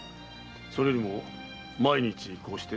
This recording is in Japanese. それよりも毎日こうして？